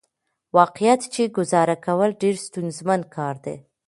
واقعيت چې ګزاره کول ډېره ستونزمن کار دى .